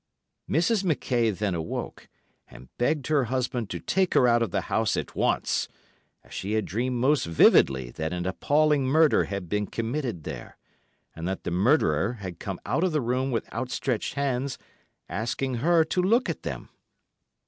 Mrs. McKaye then awoke, and begged her husband to take her out of the house at once, as she had dreamed most vividly that an appalling murder had been committed there, and that the murderer had come out of the room with outstretched hands, asking her to look at them.